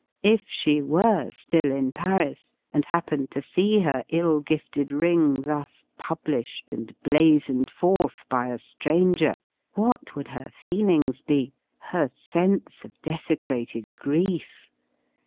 If she were still in Paris, and happened to see her ill gifted ring thus published and blazoned forth by a stranger, what would her feelings be — her sense of desecrated grief?